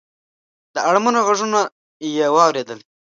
د اړمنو غږونه یې واورېدل.